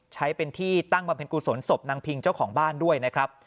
ใช้เป็นที่ตั้งบำเพ็ญกุศลศพนางพิงเจ้าของบ้านด้วยนะครับ